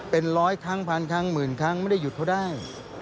เป็นร้อยครั้งพันครั้งหมื่นครั้งไม่ได้หยุดเขาได้